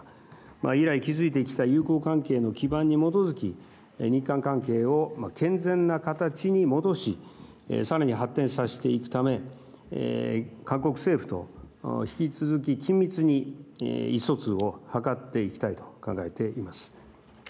以来築いてきた友好関係の基盤に基づき日韓関係を健全な形に戻しさらに発展させていくため韓国政府と引き続き緊密に意思疎通を図っていきたいと考えています。